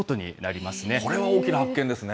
これは大きな発見ですね。